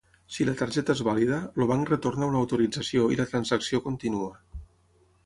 Si la targeta és vàlida, el banc retorna una autorització i la transacció continua.